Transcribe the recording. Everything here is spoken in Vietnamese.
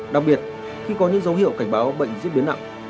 đặc biệt khi có những dấu hiệu cảnh báo bệnh diễn biến nặng